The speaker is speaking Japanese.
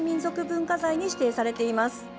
文化財に指定されています。